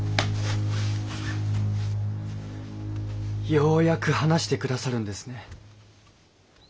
ようやく話してくださるんですね。